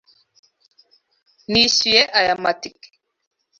Nishyuye aya matike.